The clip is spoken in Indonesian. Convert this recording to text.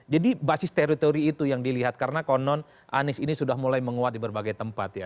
jadi basis teritori itu yang dilihat karena konon anies ini sudah mulai menguat di berbagai tempat ya